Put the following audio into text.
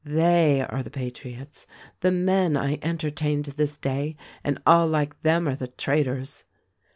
They are the patriots. The men I enter tained this day and all like them are the traitors."